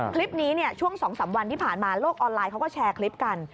คลิปนี้ช่วง๒๓วันที่ผ่านมาโลกออนไลน์เขาก็แชร์คลิปกัน